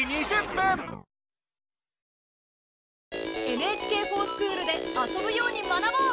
「ＮＨＫｆｏｒＳｃｈｏｏｌ」で遊ぶように学ぼう！